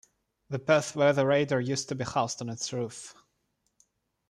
The Perth weather radar used to be housed on its roof.